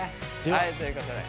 はいということで。